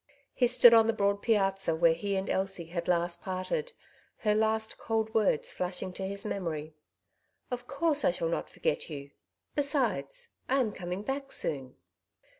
He stood on the broad piazza where he and Elsie had last parted, her last cold words flashing to his memory :" Of course I shall not forget you ; besides, I am coming back soon.'